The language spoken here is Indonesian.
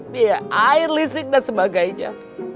dia air listrik dan sebagainya